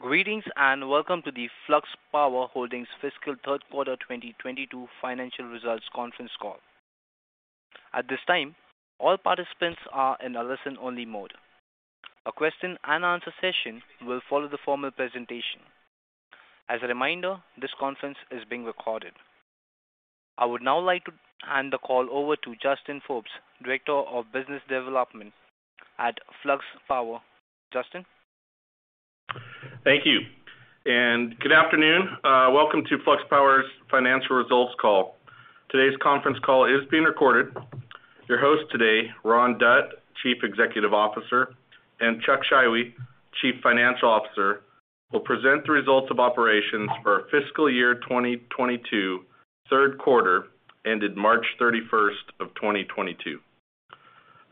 Greetings, and welcome to the Flux Po wer Holdings Fiscal Q3 2022 financial results conference call. At this time, all participants are in a listen-only mode. A question-and-answer session will follow the formal presentation. As a reminder, this conference is being recorded. I would now like to hand the call over to Justin Forbes, Director of Business Development at Flux Power. Justin. Thank you. Good afternoon. Welcome to Flux Power's financial results call. Today's conference call is being recorded. Your host today, Ron Dutt, Chief Executive Officer, and Chuck Scheiwe, Chief Financial Officer, will present the results of operations for our fiscal year 2022 Q3 ended March 31, 2022.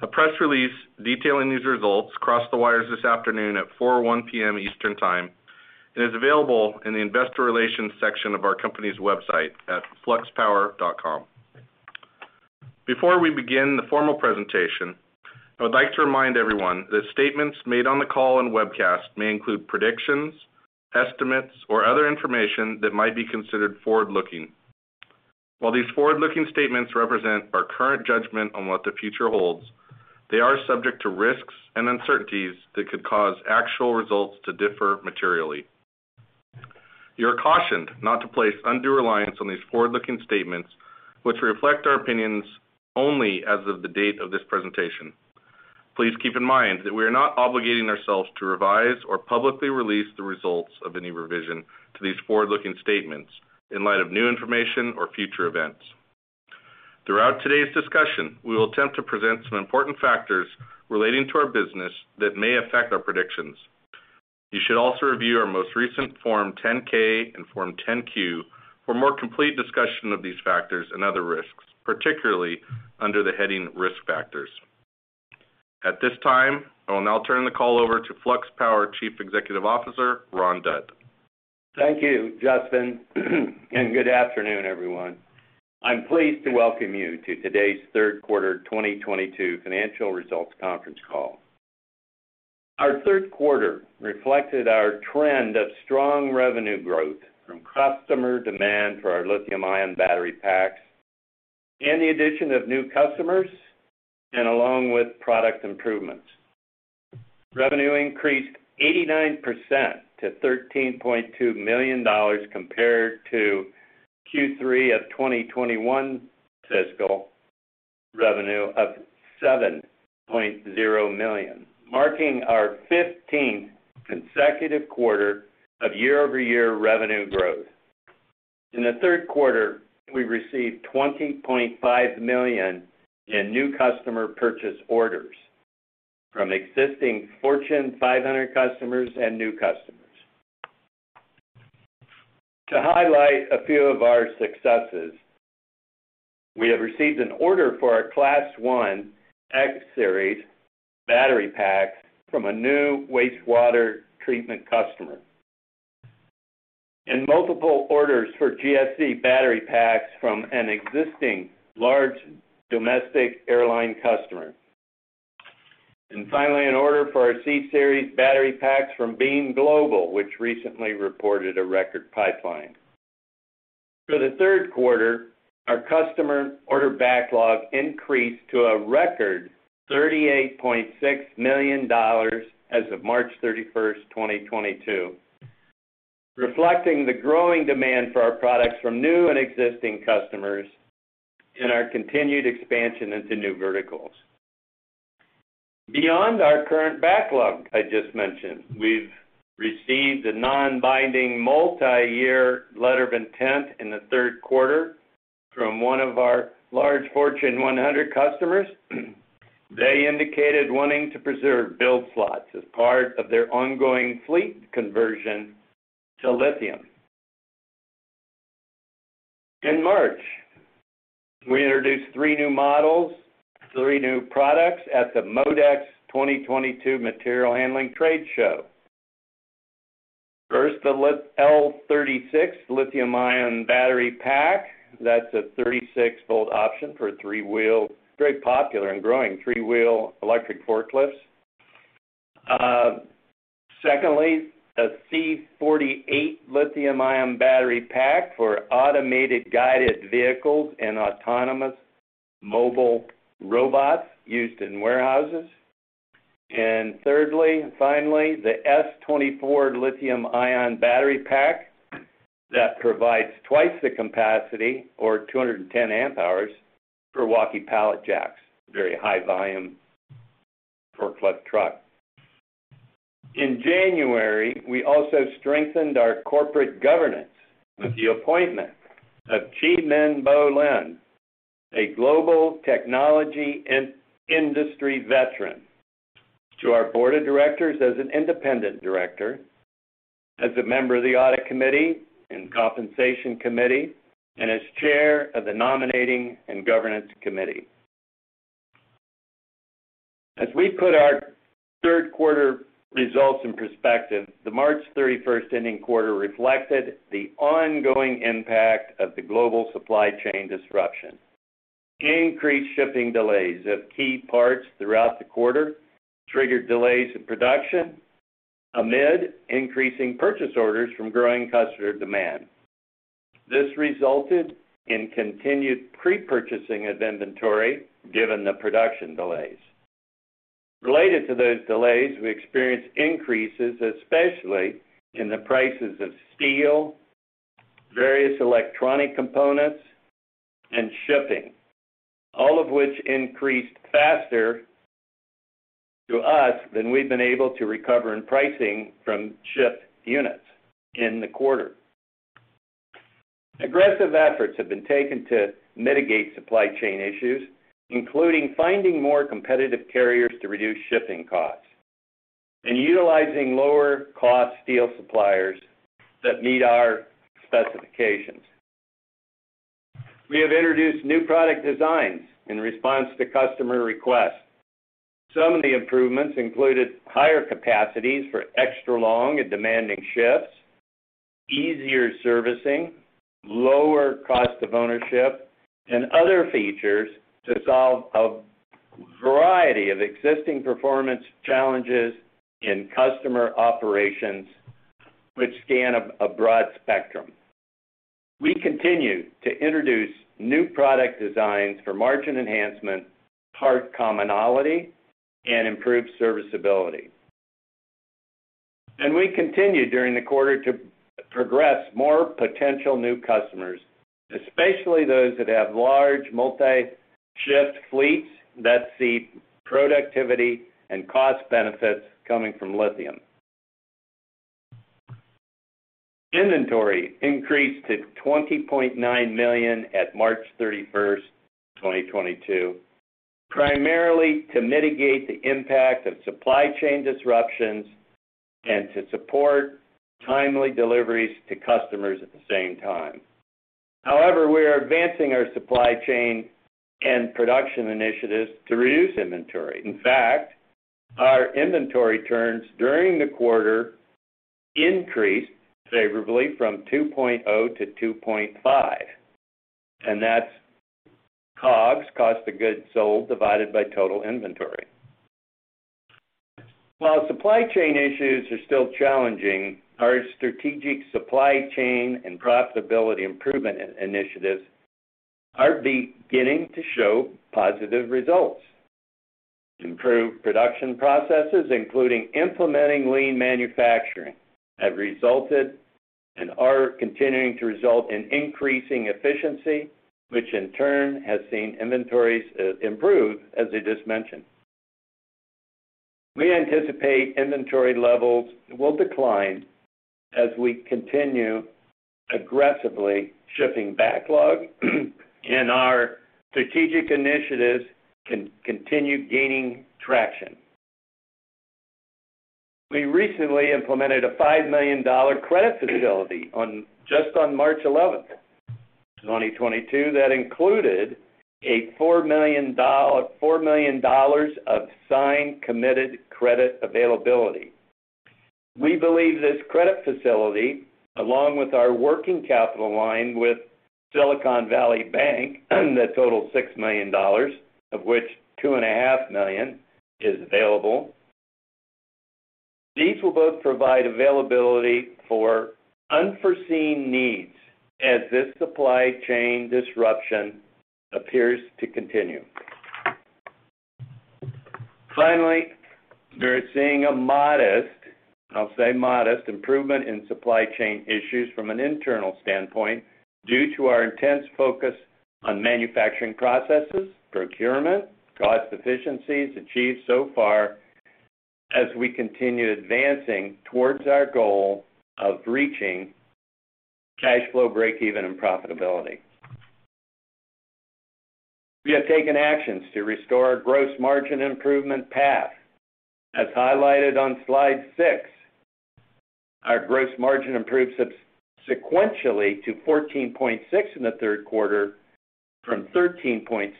A press release detailing these results crossed the wires this afternoon at 4:01 P.M. Eastern Time and is available in the investor relations section of our company's website at fluxpower.com. Before we begin the formal presentation, I would like to remind everyone that statements made on the call and webcast may include predictions, estimates, or other information that might be considered forward-looking. While these forward-looking statements represent our current judgment on what the future holds, they are subject to risks and uncertainties that could cause actual results to differ materially. You are cautioned not to place undue reliance on these forward-looking statements, which reflect our opinions only as of the date of this presentation. Please keep in mind that we are not obligating ourselves to revise or publicly release the results of any revision to these forward-looking statements in light of new information or future events. Throughout today's discussion, we will attempt to present some important factors relating to our business that may affect our predictions. You should also review our most recent Form 10-K and Form 10-Q for more complete discussion of these factors and other risks, particularly under the heading Risk Factors. At this time, I will now turn the call over to Flux Power Chief Executive Officer, Ron Dutt. Thank you, Justin, and good afternoon, everyone. I'm pleased to welcome you to today's Q3 2022 financial results conference call. Our Q3 reflected our trend of strong revenue growth from customer demand for our lithium-ion battery packs and the addition of new customers, and along with product improvements. Revenue increased 89% to $13.2 million compared to Q3 of 2021 fiscal revenue of $7.0 million, marking our 15th consecutive quarter of year-over-year revenue growth. In the Q3, we received $20.5 million in new customer purchase orders from existing Fortune 500 customers and new customers. To highlight a few of our successes, we have received an order for our Class I X-Series battery packs from a new wastewater treatment customer. Multiple orders for GSE battery packs from an existing large domestic airline customer. Finally, an order for our C-Series battery packs from Beam Global, which recently reported a record pipeline. For the Q3, our customer order backlog increased to a record $38.6 million as of March 31, 2022, reflecting the growing demand for our products from new and existing customers and our continued expansion into new verticals. Beyond our current backlog I just mentioned, we've received a non-binding multi-year letter of intent in the Q3 from one of our large Fortune 100 customers. They indicated wanting to preserve build slots as part of their ongoing fleet conversion to lithium. In March, we introduced three new models, three new products at the MODEX 2022 Material Handling Trade Show. First, the L36 lithium-ion battery pack. That's a 36V option for three-wheel very popular and growing three-wheel electric forklifts. Secondly, the C48 lithium-ion battery pack for automated guided vehicles and autonomous mobile robots used in warehouses. Thirdly, finally, the S24 lithium-ion battery pack that provides twice the capacity or 210 amp hours for walkie pallet jacks, very high volume forklift truck. In January, we also strengthened our corporate governance with the appointment of Cheemin Bo-Linn, a global technology industry veteran to our board of directors as an independent director, as a member of the audit committee and compensation committee, and as chair of the nominating and governance committee. As we put our Q3 results in perspective, the quarter ending March 31 reflected the ongoing impact of the global supply chain disruption. Increased shipping delays of key parts throughout the quarter triggered delays in production amid increasing purchase orders from growing customer demand. This resulted in continued pre-purchasing of inventory given the production delays. Related to those delays, we experienced increases, especially in the prices of steel, various electronic components, and shipping. All of which increased faster to us than we've been able to recover in pricing from shipped units in the quarter. Aggressive efforts have been taken to mitigate supply chain issues, including finding more competitive carriers to reduce shipping costs and utilizing lower cost steel suppliers that meet our specifications. We have introduced new product designs in response to customer requests. Some of the improvements included higher capacities for extra long and demanding shifts, easier servicing, lower cost of ownership, and other features to solve a variety of existing performance challenges in customer operations which span a broad spectrum. We continue to introduce new product designs for margin enhancement, part commonality, and improved serviceability. We continued during the quarter to progress more potential new customers, especially those that have large multi-shift fleets that see productivity and cost benefits coming from lithium. Inventory increased to $20.9 million at March 31, 2022, primarily to mitigate the impact of supply chain disruptions and to support timely deliveries to customers at the same time. However, we are advancing our supply chain and production initiatives to reduce inventory. In fact, our inventory turns during the quarter increased favorably from 2.0 to 2.5, and that's COGS, cost of goods sold, divided by total inventory. While supply chain issues are still challenging, our strategic supply chain and profitability improvement initiatives are beginning to show positive results. Improved production processes, including implementing lean manufacturing, have resulted and are continuing to result in increasing efficiency, which in turn has seen inventories improve, as I just mentioned. We anticipate inventory levels will decline as we continue aggressively shipping backlog and our strategic initiatives continue gaining traction. We recently implemented a $5 million credit facility just on March 11, 2022, that included $4 million of signed, committed credit availability. We believe this credit facility, along with our working capital line with Silicon Valley Bank that totals $6 million, of which $2.5 million is available. These will both provide availability for unforeseen needs as this supply chain disruption appears to continue. Finally, we're seeing a modest, I'll say modest, improvement in supply chain issues from an internal standpoint due to our intense focus on manufacturing processes, procurement, cost efficiencies achieved so far as we continue advancing towards our goal of reaching cash flow break-even and profitability. We have taken actions to restore our gross margin improvement path. As highlighted on slide 6, our gross margin improved sequentially to 14.6% in the Q3 from 13.6%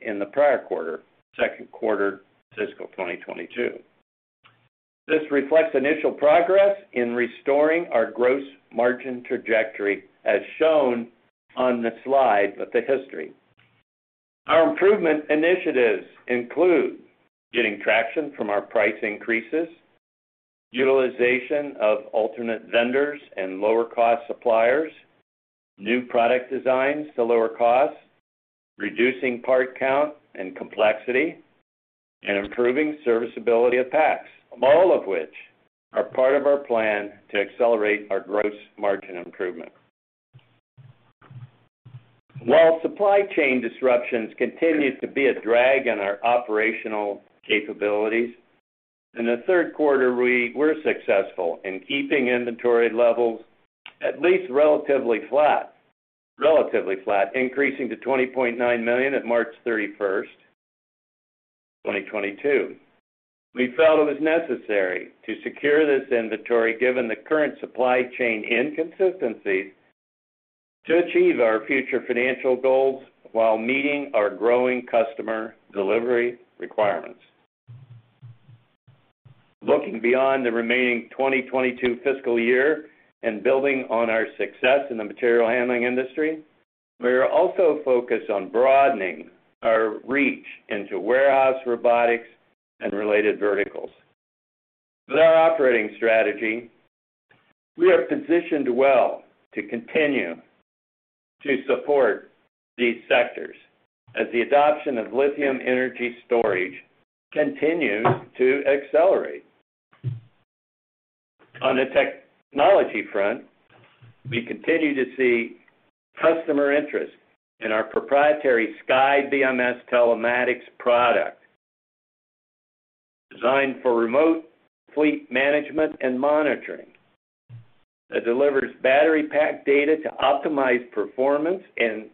in the prior quarter, Q2 fiscal 2022. This reflects initial progress in restoring our gross margin trajectory as shown on the slide with the history. Our improvement initiatives include getting traction from our price increases, utilization of alternate vendors and lower cost suppliers, new product designs to lower costs, reducing part count and complexity, and improving serviceability of packs. All of which are part of our plan to accelerate our gross margin improvement. While supply chain disruptions continue to be a drag on our operational capabilities, in the Q3, we were successful in keeping inventory levels at least relatively flat, increasing to $20.9 million at March 31, 2022. We felt it was necessary to secure this inventory given the current supply chain inconsistencies to achieve our future financial goals while meeting our growing customer delivery requirements. Looking beyond the remaining 2022 fiscal year and building on our success in the material handling industry, we are also focused on broadening our reach into warehouse robotics and related verticals. With our operating strategy, we are positioned well to continue to support these sectors as the adoption of lithium energy storage continues to accelerate. On the technology front, we continue to see customer interest in our proprietary SkyBMS telematics product, designed for remote fleet management and monitoring, that delivers battery pack data to optimize performance and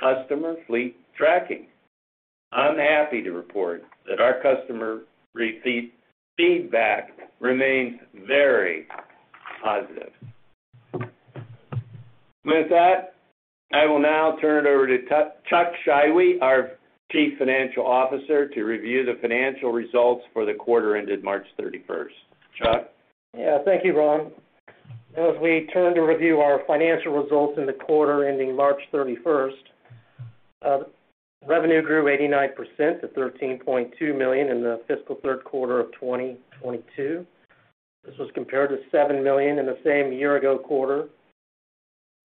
customer fleet tracking. I'm happy to report that our customer received feedback remains very positive. With that, I will now turn it over to Chuck Scheiwe, our Chief Financial Officer, to review the financial results for the quarter ended March thirty-first. Chuck? Thank you, Ron. As we turn to review our financial results in the quarter ending March 31, revenue grew 89% to $13.2 million in the fiscal Q3 of 2022. This was compared to $7 million in the same year ago quarter,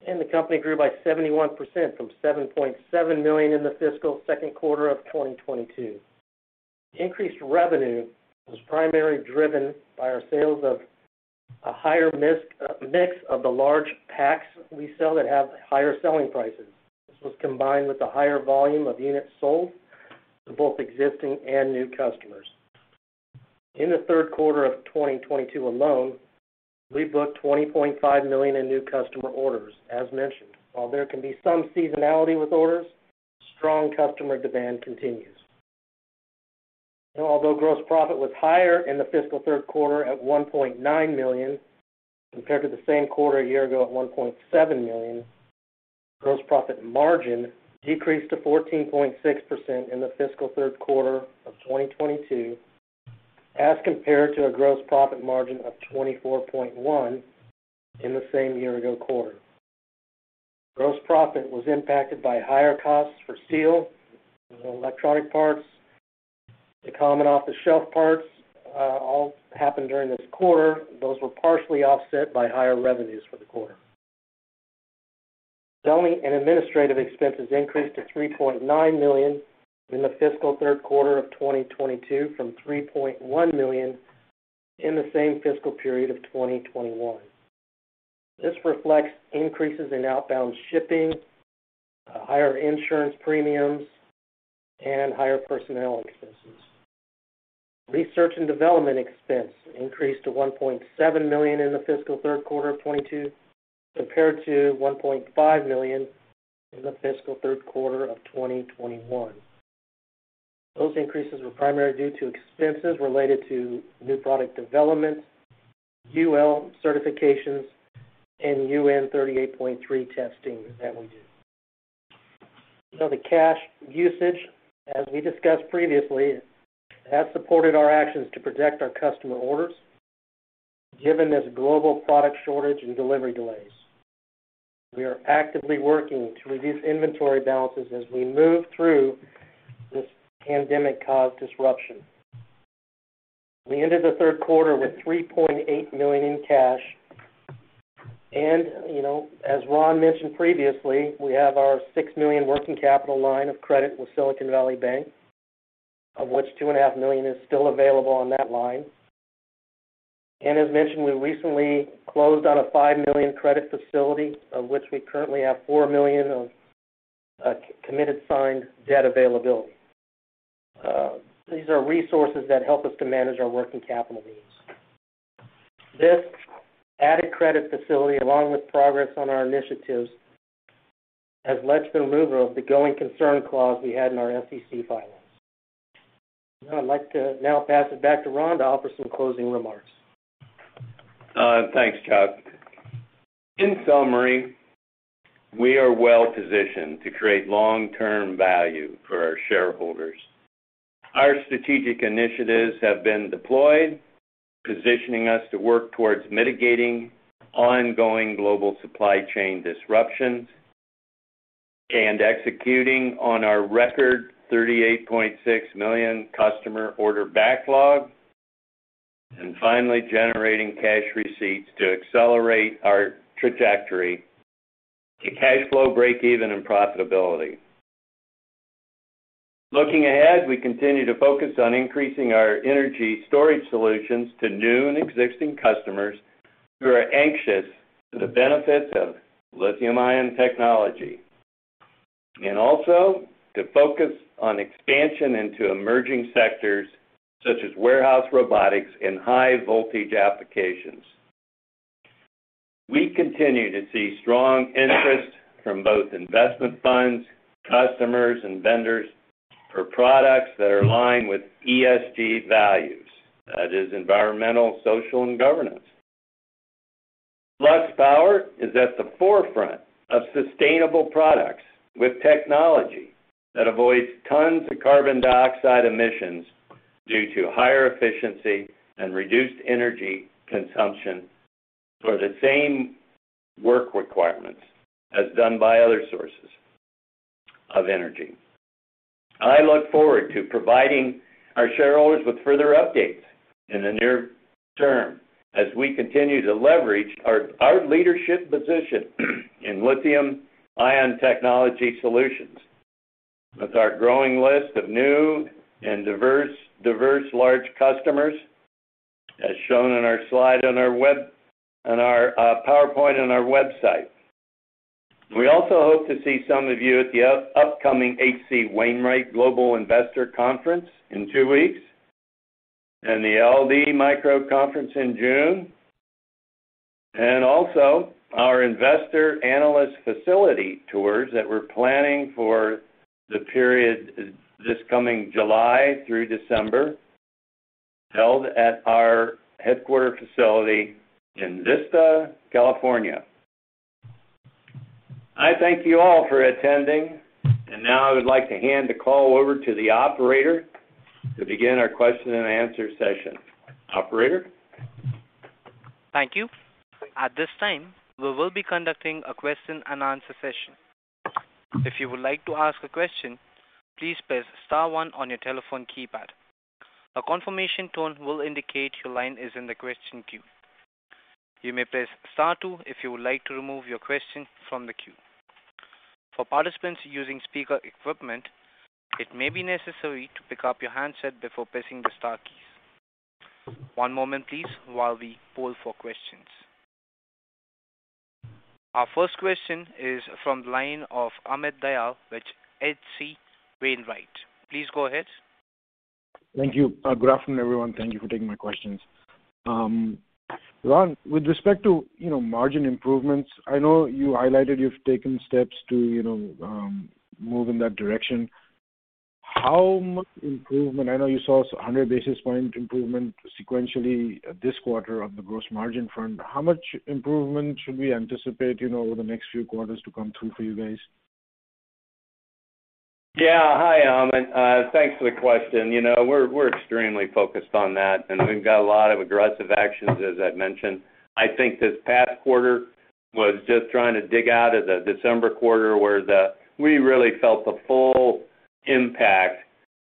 and the company grew by 71% from $7.7 million in the fiscal Q2 of 2022. Increased revenue was primarily driven by our sales of a higher mix of the large packs we sell that have higher selling prices. This was combined with the higher volume of units sold to both existing and new customers. In the Q3 of 2022 alone, we booked $20.5 million in new customer orders, as mentioned. While there can be some seasonality with orders, strong customer demand continues. Although gross profit was higher in the fiscal Q3 at $1.9 million compared to the same quarter a year ago at $1.7 million, gross profit margin decreased to 14.6% in the fiscal Q3 of 2022, as compared to a gross profit margin of 24.1% in the same year ago quarter. Gross profit was impacted by higher costs for steel, electronic parts, the common off-the-shelf parts, all happened during this quarter. Those were partially offset by higher revenues for the quarter. Selling and administrative expenses increased to $3.9 million in the fiscal Q3 of 2022 from $3.1 million in the same fiscal period of 2021. This reflects increases in outbound shipping, higher insurance premiums, and higher personnel expenses. Research and development expense increased to $1.7 million in the fiscal Q3 of 2022, compared to $1.5 million in the fiscal Q3 of 2021. Those increases were primarily due to expenses related to new product development, UL certifications, and UN 38.3 testing that we do. The cash usage, as we discussed previously, has supported our actions to protect our customer orders, given this global product shortage and delivery delays. We are actively working to reduce inventory balances as we move through this pandemic-caused disruption. We ended the Q3 with $3.8 million in cash. You know, as Ron mentioned previously, we have our $6 million working capital line of credit with Silicon Valley Bank, of which $2.5 million is still available on that line. As mentioned, we recently closed on a $5 million credit facility, of which we currently have $4 million of committed signed debt availability. These are resources that help us to manage our working capital needs. This added credit facility, along with progress on our initiatives, has led to the removal of the going concern clause we had in our SEC filings. Now I'd like to pass it back to Ron to offer some closing remarks. Thanks, Chuck. In summary, we are well-positioned to create long-term value for our shareholders. Our strategic initiatives have been deployed, positioning us to work towards mitigating ongoing global supply chain disruptions and executing on our record $38.6 million customer order backlog. Finally, generating cash receipts to accelerate our trajectory to cash flow break-even and profitability. Looking ahead, we continue to focus on increasing our energy storage solutions to new and existing customers who are anxious for the benefits of lithium-ion technology. Also to focus on expansion into emerging sectors such as warehouse robotics and high voltage applications. We continue to see strong interest from both investment funds, customers, and vendors for products that are aligned with ESG values. That is environmental, social, and governance. Flux Power is at the forefront of sustainable products with technology that avoids tons of carbon dioxide emissions due to higher efficiency and reduced energy consumption for the same work requirements as done by other sources of energy. I look forward to providing our shareholders with further updates in the near term as we continue to leverage our leadership position in lithium-ion technology solutions. With our growing list of new and diverse large customers, as shown in our slide on our PowerPoint on our website. We also hope to see some of you at the upcoming H.C. Wainwright Global Investor Conference in two weeks, and the LD Micro Conference in June. Our investor analyst facility tours that we're planning for the period this coming July through December, held at our headquarters facility in Vista, California. I thank you all for attending. Now I would like to hand the call over to the operator to begin our question and answer session. Operator? Thank you. At this time, we will be conducting a question and answer session. If you would like to ask a question, please press star one on your telephone keypad. A confirmation tone will indicate your line is in the question queue. You may press star two if you would like to remove your question from the queue. For participants using speaker equipment, it may be necessary to pick up your handset before pressing the star keys. One moment please while we poll for questions. Our first question is from the line of Amit Dayal with H.C. Wainwright. Please go ahead. Thank you. Good afternoon, everyone. Thank you for taking my questions. Ron, with respect to, you know, margin improvements, I know you highlighted you've taken steps to, you know, move in that direction. I know you saw a 100 basis point improvement sequentially this quarter on the gross margin front. How much improvement should we anticipate, you know, over the next few quarters to come through for you guys? Yeah. Hi, Amit. Thanks for the question. You know, we're extremely focused on that, and we've got a lot of aggressive actions, as I've mentioned. I think this past quarter was just trying to dig out of the December quarter, where we really felt the full impact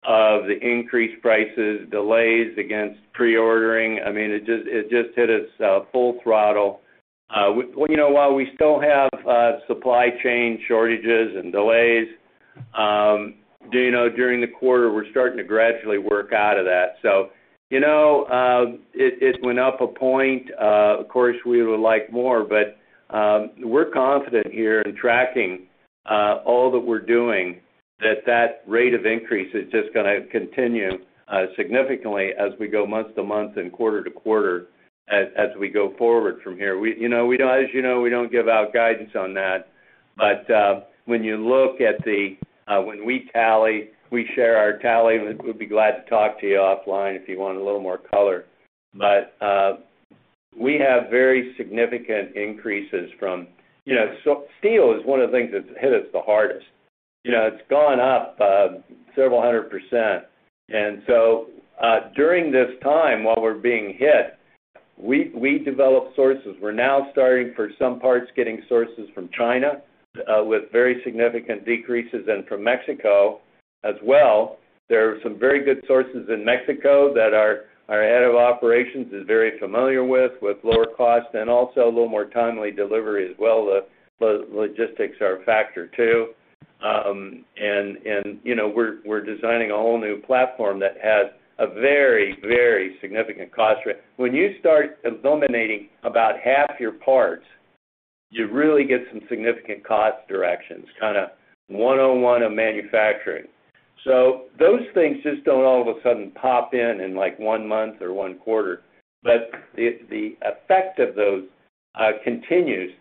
of the increased prices, delays against pre-ordering. I mean, it just hit us full throttle. You know, while we still have supply chain shortages and delays, you know, during the quarter, we're starting to gradually work out of that. You know, it went up a point. Of course, we would like more, but we're confident here in tracking all that we're doing, that rate of increase is just gonna continue significantly as we go month to month and quarter to quarter as we go forward from here. You know, we don't, as you know, we don't give out guidance on that. When we tally, we share our tally, and we'd be glad to talk to you offline if you want a little more color. We have very significant increases from. You know, so steel is one of the things that's hit us the hardest. You know, it's gone up several hundred%. During this time, while we're being hit, we developed sources. We're now starting for some parts, getting sources from China, with very significant decreases in cost from Mexico as well. There are some very good sources in Mexico that our head of operations is very familiar with lower cost and also a little more timely delivery as well. The logistics are a factor too. You know, we're designing a whole new platform that has a very, very significant cost to it. When you start eliminating about half your parts, you really get some significant cost reductions, kinda 101 of manufacturing. Those things just don't all of a sudden pop in, like, one month or one quarter. The effect of those continues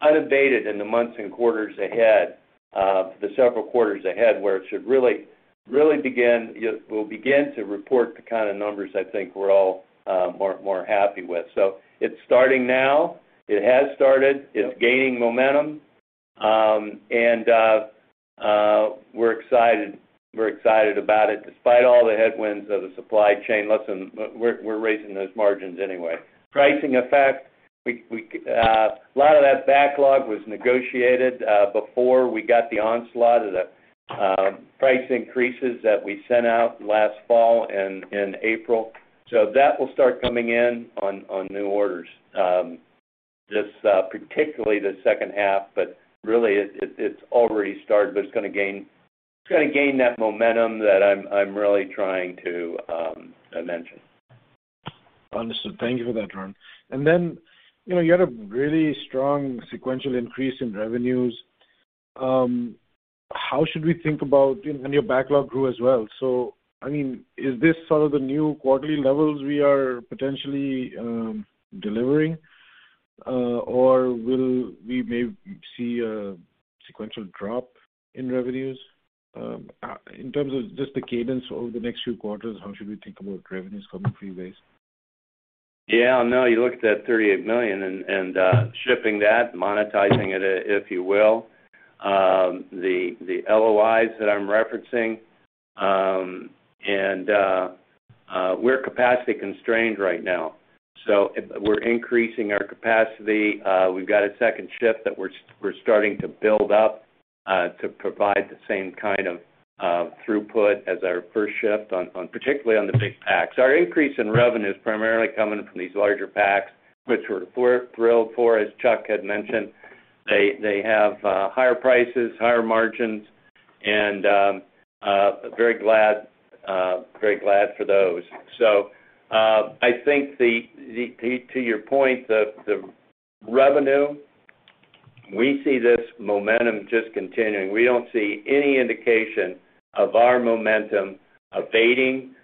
unabated in the months and quarters ahead, the several quarters ahead, where it should really, really begin. We'll begin to report the kinda numbers I think we're all more happy with. It's starting now. It has started. It's gaining momentum. We're excited about it. Despite all the headwinds of the supply chain issues, we're raising those margins anyway. Pricing effect, we a lot of that backlog was negotiated before we got the onslaught of the price increases that we sent out last fall and in April. That will start coming in on new orders, particularly the second half, but really it's already started, but it's gonna gain that momentum that I'm really trying to mention. Understood. Thank you for that, Ron. Then, you know, you had a really strong sequential increase in revenues. How should we think about your backlog grew as well. I mean, is this sort of the new quarterly levels we are potentially delivering? Or will we may see sequential drop in revenues. In terms of just the cadence over the next few quarters, how should we think about revenues coming for you guys? Yeah. No, you look at that $38 million and shipping that, monetizing it, if you will, the LOIs that I'm referencing, and we're capacity constrained right now. We're increasing our capacity. We've got a second shift that we're starting to build up to provide the same kind of throughput as our first shift, particularly on the big packs. Our increase in revenue is primarily coming from these larger packs, which we're thrilled for. As Chuck had mentioned, they have higher prices, higher margins and we're very glad for those. I think to your point, the revenue, we see this momentum just continuing. We don't see any indication of our momentum abating,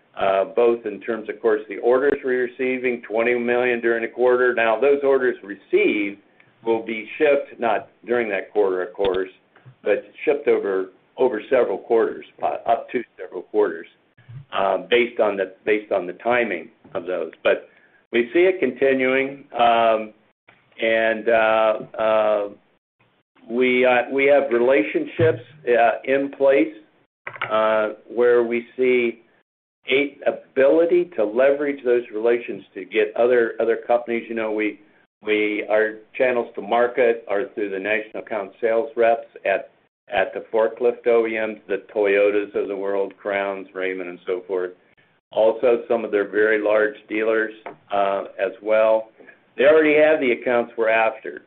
both in terms of course, the orders we're receiving, $20 million during the quarter. Now, those orders received will be shipped, not during that quarter, of course, but shipped over several quarters, up to several quarters, based on the timing of those. We see it continuing, and we have relationships in place, where we see an ability to leverage those relations to get other companies. You know, our channels to market are through the national account sales reps at the forklift OEMs, the Toyotas of the world, Crowns, Raymond and so forth. Also some of their very large dealers, as well. They already have the accounts we're after.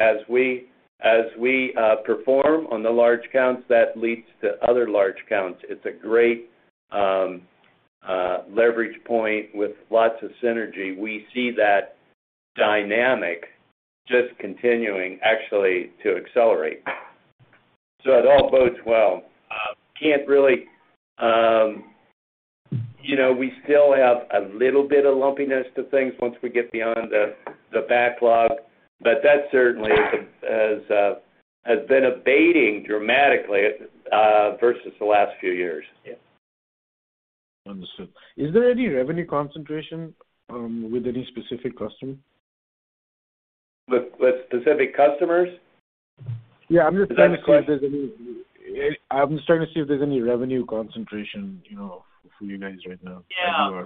As we perform on the large accounts, that leads to other large accounts. It's a great leverage point with lots of synergy. We see that dynamic just continuing, actually to accelerate. It all bodes well. Can't really. You know, we still have a little bit of lumpiness to things once we get beyond the backlog, but that certainly has been abating dramatically versus the last few years. Understood. Is there any revenue concentration, with any specific customer? With specific customers? Yeah, I'm just trying to see if there's any. Is that a question? I'm just trying to see if there's any revenue concentration, you know, for you guys right now. Yeah.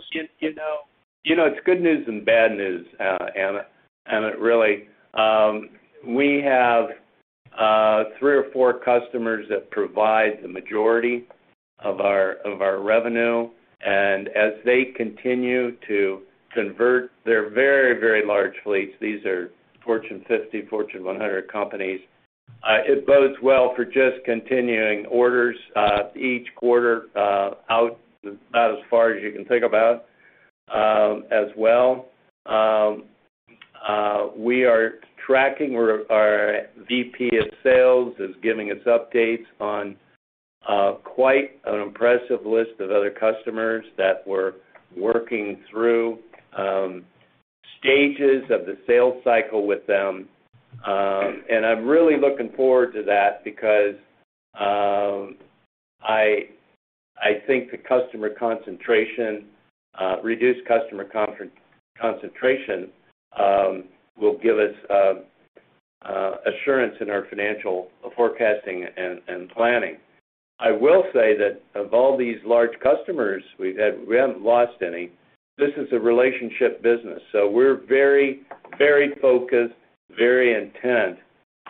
You know, it's good news and bad news, Amit, really. We have three or four customers that provide the majority of our revenue, and as they continue to convert their very, very large fleets, these are Fortune 50, Fortune 100 companies. It bodes well for just continuing orders each quarter out as far as you can think about, as well. We are tracking. Our VP of sales is giving us updates on quite an impressive list of other customers that we're working through stages of the sales cycle with them. And I'm really looking forward to that because I think the customer concentration, reduced customer concentration, will give us assurance in our financial forecasting and planning. I will say that of all these large customers we've had, we haven't lost any. This is a relationship business, so we're very, very focused, very intent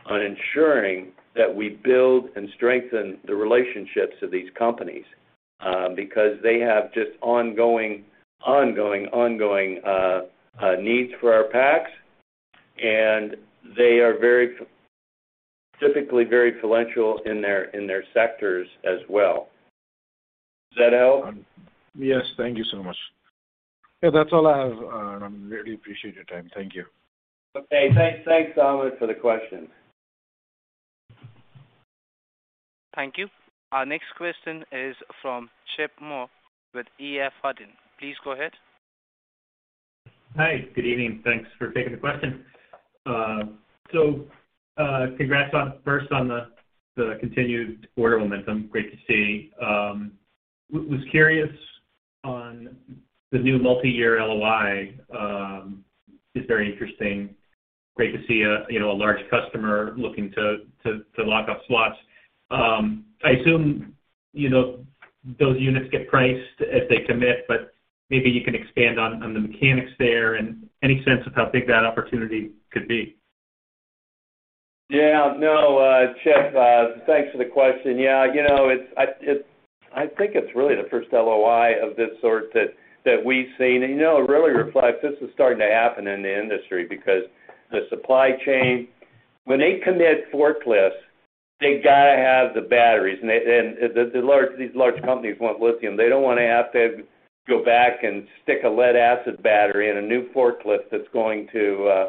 on ensuring that we build and strengthen the relationships of these companies, because they have just ongoing needs for our packs, and they are very typically very influential in their sectors as well. Does that help? Yes. Thank you so much. Yeah, that's all I have. I really appreciate your time. Thank you. Okay, thanks. Thanks, Amit, for the question. Thank you. Our next question is from Chip Moore with EF Hutton. Please go ahead. Hi. Good evening. Thanks for taking the question. Congrats, first, on the continued order momentum. Great to see. Was curious on the new multiyear LOI. It's very interesting. Great to see a, you know, a large customer looking to lock up spots. I assume, you know, those units get priced as they commit, but maybe you can expand on the mechanics there and any sense of how big that opportunity could be. Yeah. No, Chip, thanks for the question. Yeah, you know, I think it's really the first LOI of this sort that we've seen. You know, it really reflects this is starting to happen in the industry because the supply chain, when they commit forklifts, they gotta have the batteries. These large companies want lithium. They don't wanna have to go back and stick a lead acid battery in a new forklift that's going to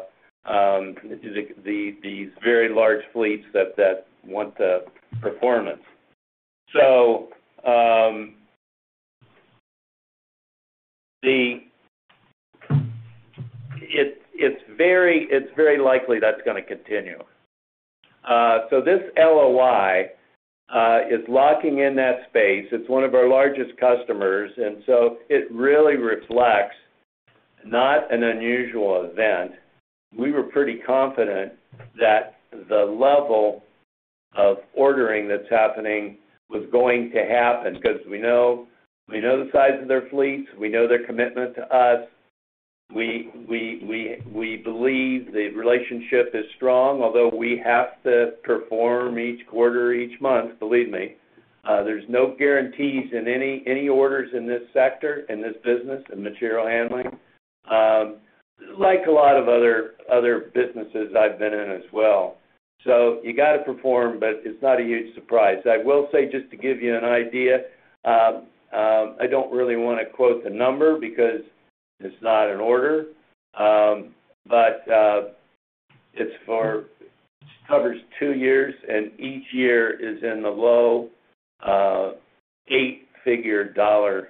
these very large fleets that want the performance. It's very likely that's gonna continue. This LOI is locking in that space. It's one of our largest customers, and so it really reflects not an unusual event. We were pretty confident that the level of ordering that's happening was going to happen because we know the size of their fleets, we know their commitment to us. We believe the relationship is strong, although we have to perform each quarter, each month, believe me. There's no guarantees in any orders in this sector, in this business, in material handling, like a lot of other businesses I've been in as well. You got to perform, but it's not a huge surprise. I will say, just to give you an idea, I don't really wanna quote the number because it's not an order, but it covers two years, and each year is in the low eight-figure dollar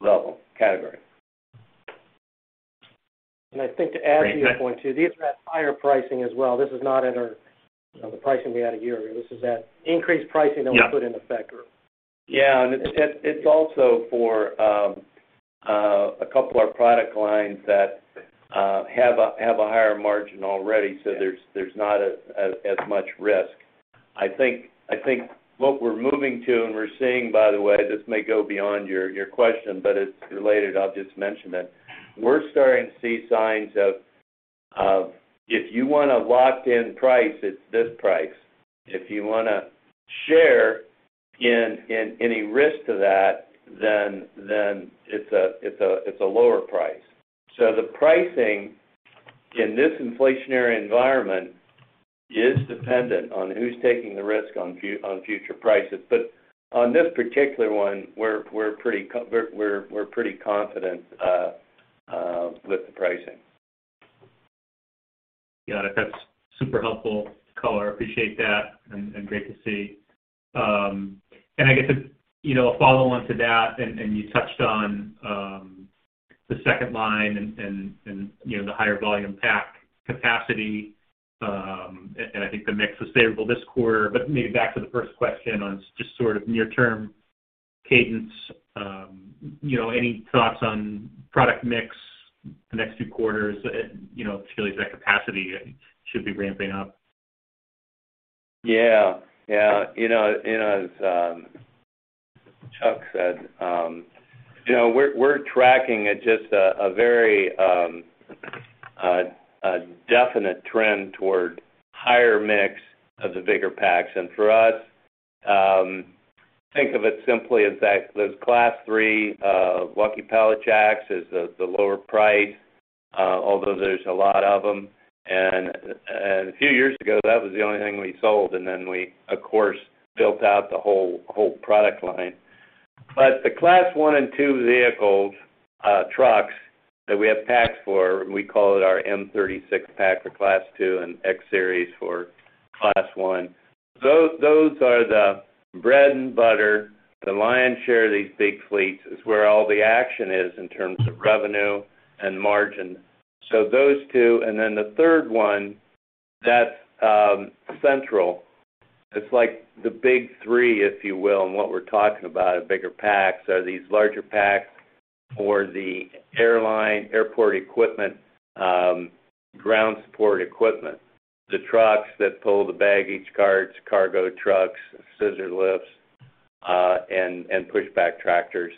level category. I think to add to your point, too, these are at higher pricing as well. This is not at our, you know, the pricing we had a year ago. This is at increased pricing that we put into effect. It's also for a couple of our product lines that have a higher margin already, so there's not as much risk. I think what we're moving to, and we're seeing by the way, this may go beyond your question, but it's related. I'll just mention it. We're starting to see signs of if you want a locked in price, it's this price. If you wanna share in any risk to that, then it's a lower price. The pricing in this inflationary environment is dependent on who's taking the risk on future prices. On this particular one, we're pretty confident with the pricing. Got it. That's super helpful color. Appreciate that and great to see. I guess, you know, a follow-on to that, and you touched on the second line and you know, the higher volume pack capacity, and I think the mix was favorable this quarter. But maybe back to the first question on just sort of near-term cadence, you know, any thoughts on product mix the next few quarters, and you know, particularly as that capacity should be ramping up? Yeah. You know, as Chuck said, you know, we're tracking at just a very definite trend toward higher mix of the bigger packs. For us, think of it simply as those Class III walkie pallet jacks is the lower price, although there's a lot of them. A few years ago, that was the only thing we sold, and then we of course built out the whole product line. The Class I and II vehicles, trucks that we have packs for, we call it our M36 pack for Class II and X Series for Class I, those are the bread and butter, the lion's share of these big fleets. It's where all the action is in terms of revenue and margin. Those two, and then the third one, that's central. It's like the big three, if you will, and what we're talking about are bigger packs, these larger packs for the airline, airport equipment, ground support equipment, the trucks that pull the baggage carts, cargo trucks, scissor lifts, and pushback tractors.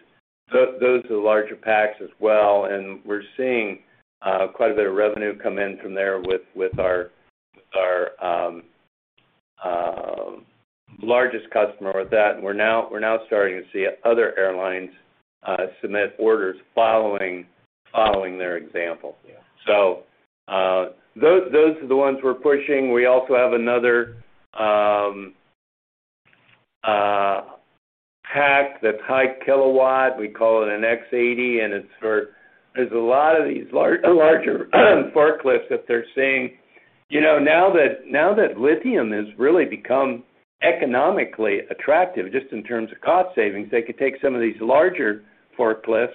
Those are the larger packs as well, and we're seeing quite a bit of revenue come in from there with our largest customer with that. We're now starting to see other airlines submit orders following their example. Yeah. Those are the ones we're pushing. We also have another pack that's high kilowatt. We call it an X80, and it's for larger forklifts that they're seeing. You know, now that lithium has really become economically attractive just in terms of cost savings, they could take some of these larger forklifts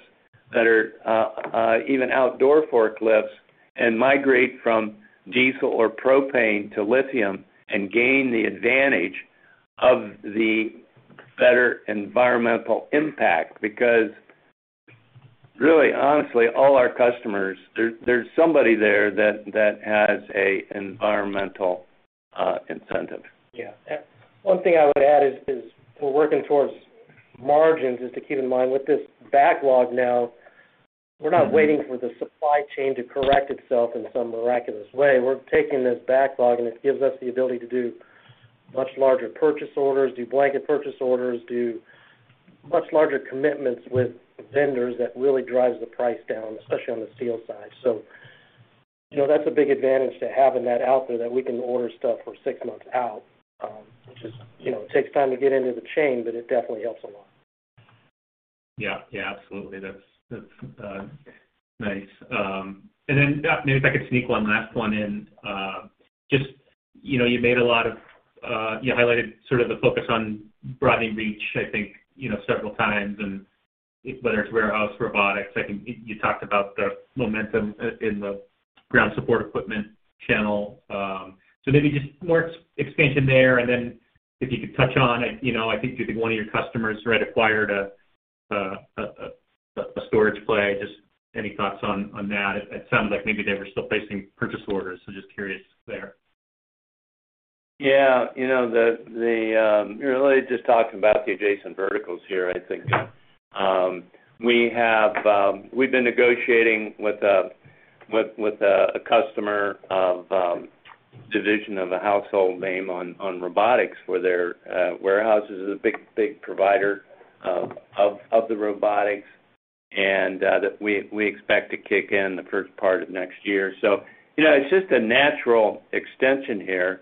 that are even outdoor forklifts and migrate from diesel or propane to lithium and gain the advantage of the better environmental impact. Really, honestly, all our customers, there's somebody there that has an environmental incentive. Yeah. One thing I would add is we're working towards margins, to keep in mind with this backlog now, we're not waiting for the supply chain to correct itself in some miraculous way. We're taking this backlog, and it gives us the ability to do much larger purchase orders, do blanket purchase orders, do much larger commitments with vendors that really drives the price down, especially on the steel side. You know, that's a big advantage to having that out there, that we can order stuff for six months out, which, you know, takes time to get into the chain, but it definitely helps a lot. Yeah. Yeah, absolutely. That's nice. Maybe if I could sneak one last one in. Just, you know, you made a lot of. You highlighted sort of the focus on broadening reach, I think, you know, several times and whether it's warehouse robotics. I think you talked about the momentum in the ground support equipment channel. Maybe just more expansion there, and then if you could touch on, you know, I think you think one of your customers, right, acquired a storage play. Just any thoughts on that? It sounds like maybe they were still placing purchase orders, so just curious there. Yeah. You know, let me just talk about the adjacent verticals here. I think we have. We've been negotiating with a customer, a division of a household name on robotics for their warehouses, is a big provider of the robotics. We expect to kick in the first part of next year. You know, it's just a natural extension here.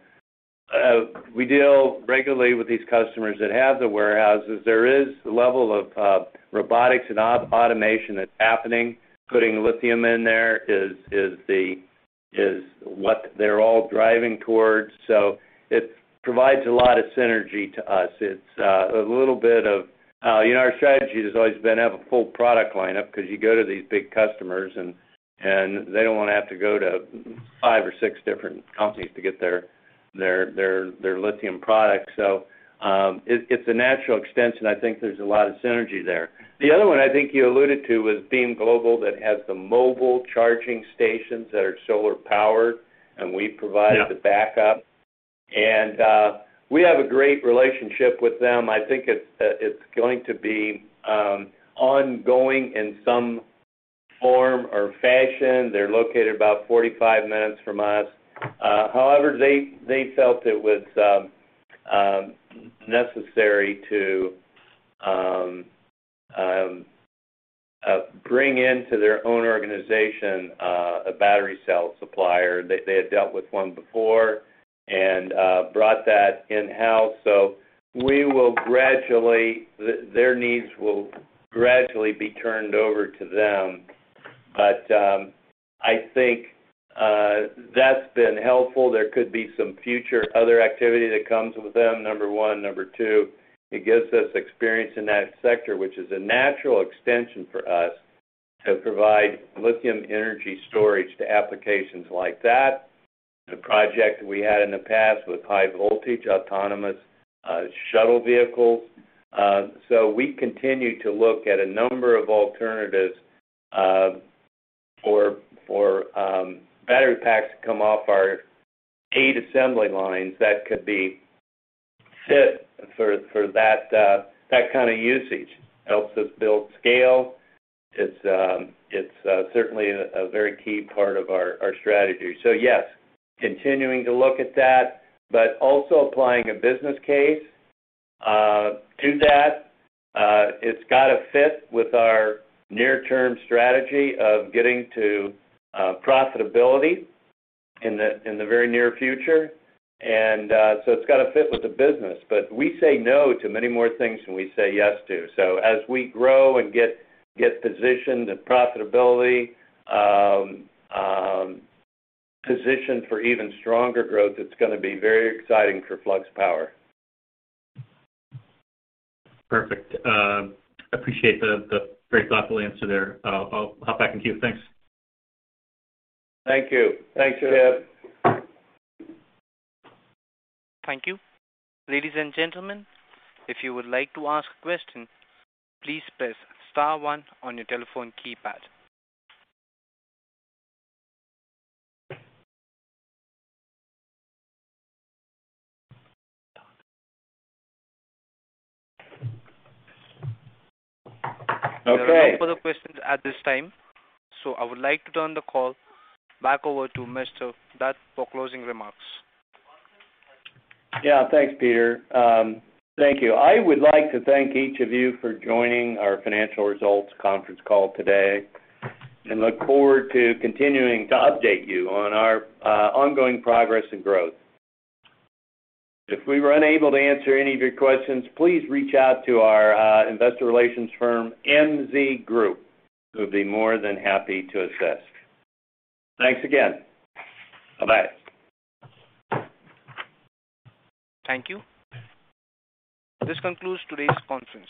We deal regularly with these customers that have the warehouses. There is a level of robotics and automation that's happening. Putting lithium in there is what they're all driving towards. It provides a lot of synergy to us. It's a little bit of. You know, our strategy has always been have a full product lineup because you go to these big customers and they don't wanna have to go to five or six different companies to get their lithium products. It's a natural extension. I think there's a lot of synergy there. The other one I think you alluded to was Beam Global that has the mobile charging stations that are solar powered. Yeah. The backup. We have a great relationship with them. I think it's going to be ongoing in some form or fashion. They're located about 45 minutes from us. However, they felt it was necessary to bring into their own organization a battery cell supplier. They had dealt with one before and brought that in-house. Their needs will gradually be turned over to them. I think that's been helpful. There could be some future other activity that comes with them, number one. Number two, it gives us experience in that sector, which is a natural extension for us to provide lithium energy storage to applications like that. The project we had in the past with high voltage autonomous shuttle vehicles. We continue to look at a number of alternatives for battery packs to come off our 8 assembly lines that could be fit for that kind of usage. Helps us build scale. It's certainly a very key part of our strategy. Yes, continuing to look at that, but also applying a business case to that. It's gotta fit with our near-term strategy of getting to profitability in the very near future. It's gotta fit with the business. We say no to many more things than we say yes to. As we grow and get positioned to profitability, positioned for even stronger growth, it's gonna be very exciting for Flux Power. Perfect. Appreciate the very thoughtful answer there. I'll hop back in queue. Thanks. Thank you. Thanks, Chip. Thank you. Ladies and gentlemen, if you would like to ask a question, please press star one on your telephone keypad. Okay. There are no further questions at this time, so I would like to turn the call back over to Mr. Dutt for closing remarks. Yeah. Thanks, Peter. Thank you. I would like to thank each of you for joining our financial results conference call today and look forward to continuing to update you on our ongoing progress and growth. If we were unable to answer any of your questions, please reach out to our investor relations firm, MZ Group, who would be more than happy to assist. Thanks again. Bye-bye. Thank you. This concludes today's conference.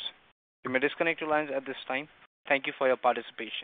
You may disconnect your lines at this time. Thank you for your participation.